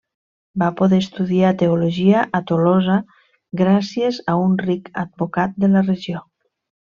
Va poder estudiar teologia a Tolosa gràcies a un ric advocat de la regió.